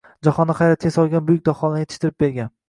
Jahonni hayratga solgan buyuk daholarni yetishtirib bergan